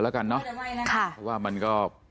ละกันนะค่ะเพราะว่ามันก็เป็น